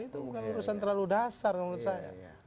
itu bukan urusan terlalu dasar menurut saya